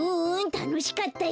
たのしかったよ。